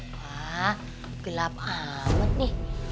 wah gelap amat nih